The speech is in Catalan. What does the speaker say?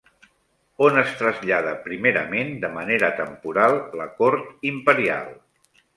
On es trasllada primerament de manera temporal la cort imperial?